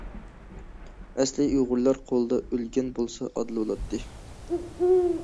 ئەسلى ئۇيغۇرلار قولىدا ئۆلگەن بولسا ئادىل بولاتتى!